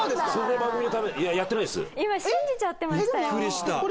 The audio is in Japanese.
今信じちゃってましたよ。